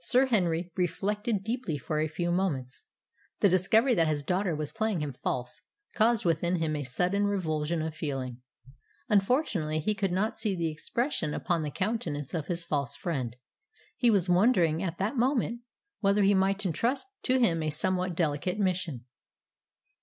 Sir Henry reflected deeply for a few moments. The discovery that his daughter was playing him false caused within him a sudden revulsion of feeling. Unfortunately, he could not see the expression upon the countenance of his false friend. He was wondering at that moment whether he might entrust to him a somewhat delicate mission.